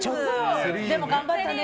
でも頑張ったね。